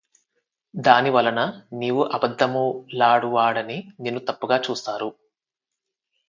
దానివలన నీవు అబద్ధములాడువాడని నిన్ను తప్పుగా చూస్తారు